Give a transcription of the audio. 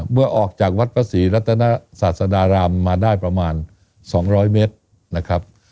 เมื่อออกจากวัดพระศรีรัตนศาสดารามมาได้ประมาณ๒๐๐เมตรนะครับ